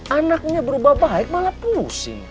anaknya berubah baik malah pusing